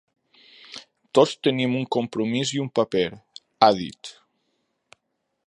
Tots tenim un compromís i un paper, ha dit.